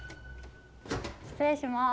失礼します。